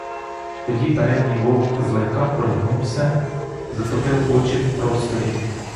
Тоді передній вовк злегка пригнувся, затопив очі в просторінь.